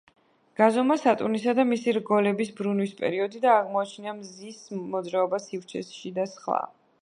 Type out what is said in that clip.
გაზომა სატურნისა და მისი რგოლების ბრუნვის პერიოდი, აღმოაჩინა მზის მოძრაობა სივრცეში და სხვა.